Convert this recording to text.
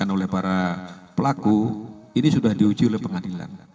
yang oleh para pelaku ini sudah diuji oleh pengadilan